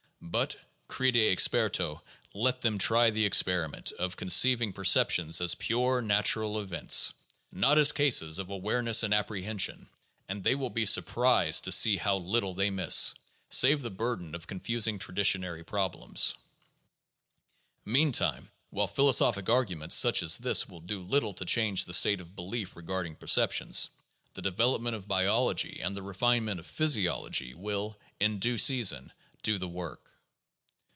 But — crede experto — let them try the experiment of conceiving perceptions as pure natural events, not as cases of aware 400 THE JOURNAL OF PHILOSOPHY ness and apprehension, and they will be surprised to see how little they miss — save the burden of confusing traditionary problems. Meantime, while philosophic argument such as this will do little to change the state of belief regarding perceptions, the development of biology and the refinement of physiology will, in due season, do the work.